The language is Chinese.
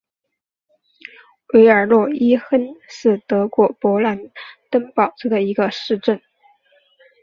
韦尔诺伊亨是德国勃兰登堡州的一个市镇。